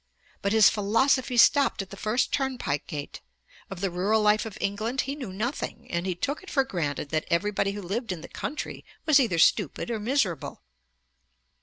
But his philosophy stopped at the first turnpike gate. Of the rural life of England he knew nothing, and he took it for granted that everybody who lived in the country was either stupid or miserable.'